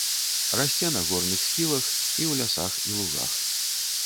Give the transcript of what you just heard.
Расце на горных схілах і ў лясах і лугах.